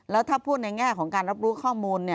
แล้วถ้าพูดในแง่ของการรับรู้ข้อมูล